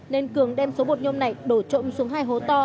nên cường đem số bột nhôm này đổ trộm xuống hai hố to